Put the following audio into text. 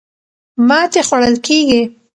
ماتې خوړل کېږي.